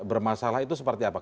bermasalah itu seperti apa